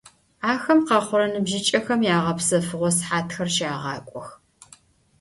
Ахэм къэхъурэ ныбжьыкӀэхэм ягъэпсэфыгъо сыхьатхэр щагъакӀох.